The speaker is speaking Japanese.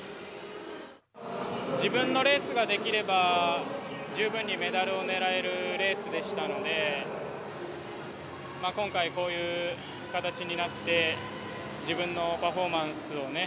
自分のレースができれば十分にメダルを狙えるレースでしたので今回こういう形になって自分のパフォーマンスをね